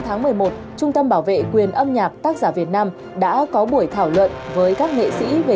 ngày một mươi một trung tâm bảo vệ quyền âm nhạc tác giả việt nam đã có buổi thảo luận với các nghệ sĩ về